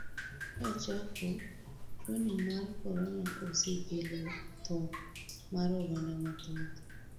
Kachako, tuoni mar korona osekelo tho mar oganda mathoth.